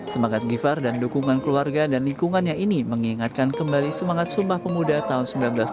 semangat givar dan dukungan keluarga dan lingkungannya ini mengingatkan kembali semangat sumpah pemuda tahun seribu sembilan ratus sembilan puluh